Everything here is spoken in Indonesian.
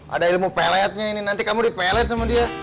ada ilmu peletnya ini nanti kamu dipelet sama dia